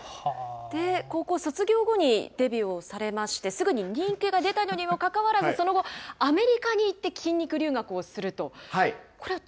高校卒業後にデビューをされまして、すぐに人気が出たにもかかわらず、その後、アメリカに行って筋肉留学をすると。